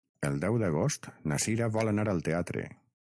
El deu d'agost na Cira vol anar al teatre.